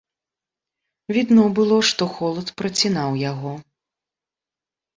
Відно было, што холад працінаў яго.